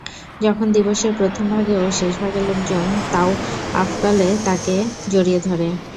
যখন দিবসের প্রথমভাগে ও শেষভাগে লোকজন তাওয়াফকালে তাকে জড়িয়ে ধরে।